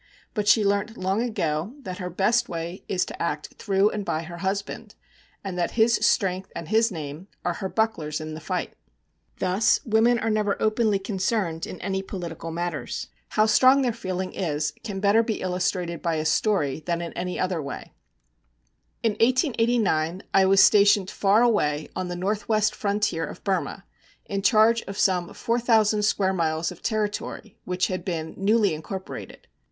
But she learnt long ago that her best way is to act through and by her husband, and that his strength and his name are her bucklers in the fight. Thus women are never openly concerned in any political matters. How strong their feeling is can better be illustrated by a story than in any other way. In 1889 I was stationed far away on the north west frontier of Burma, in charge of some four thousand square miles of territory which had been newly incorporated.